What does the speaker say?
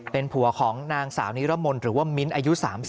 เป็นผัวของนางสาวนิรมนต์หรือว่ามิ้นอายุ๓๐